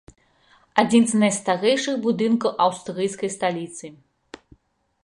Адзін з найстарэйшых будынкаў аўстрыйскай сталіцы.